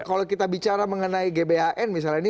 kalau kita bicara mengenai gbhn misalnya ini